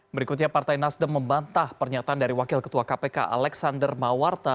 berikutnya partai nasdem membantah pernyataan dari wakil ketua kpk alexander mawarta